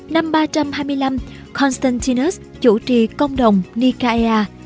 năm ba trăm hai mươi năm constantinus chủ trì công đồng nicaea